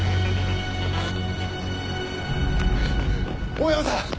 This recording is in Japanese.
大山さん！